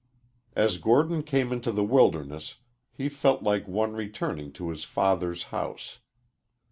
As Gordon came into the wilderness he felt like one returning to his father's house.